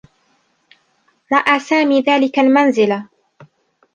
رأى سامي ذلك المنزل.